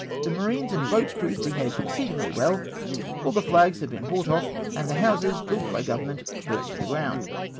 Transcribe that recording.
The marines and boats' crews behaved exceedingly well. All the flags have been brought off, and the houses built by government burnt to the ground.